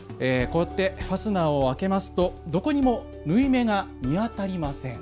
ファスナーを開けますとどこにも縫い目が見当たりません。